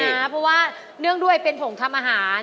เพราะว่าเนื่องด้วยเป็นผงทำอาหาร